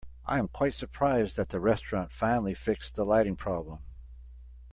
I am quite surprised that the restaurant finally fixed the lighting problem.